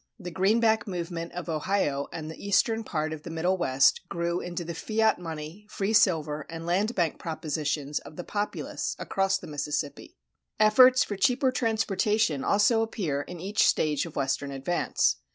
The greenback movement of Ohio and the eastern part of the Middle West grew into the fiat money, free silver, and land bank propositions of the Populists across the Mississippi. Efforts for cheaper transportation also appear in each stage of Western advance.